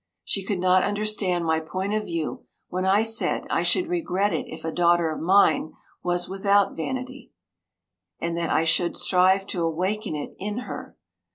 She could not understand my point of view when I said I should regret it if a daughter of mine was without vanity, and that I should strive to awaken it in her.